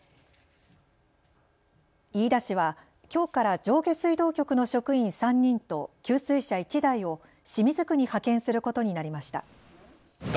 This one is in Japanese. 飯田市はきょうから上下水道局の職員３人と給水車１台を清水区に派遣することになりました。